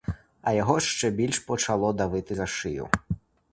А його ще більш почало давити за шию.